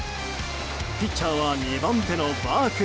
ピッチャーは２番手のバーク。